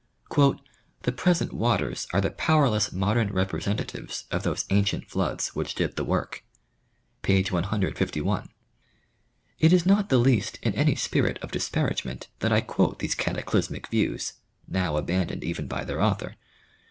"The present waters are the powerless modern representatives of those ancient floods which did the work" (p. 151). It is not the least in any spirit of disparagement that I quote these cataclysmic views, now abandoned even by their author.